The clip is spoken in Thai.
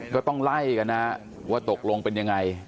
ก็ต้องไล่กันนะว่าตกลงเป็นยังไง